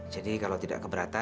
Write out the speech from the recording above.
jadi kalau tidak keberatan